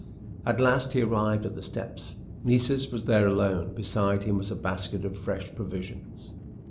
At last he arrived at the steps. Nessus was there alone; beside him was a basket of fresh provisions.